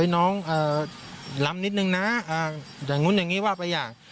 น้องลำนิดนึงนะอย่างนู้นอย่างนี้ว่าไปอย่าง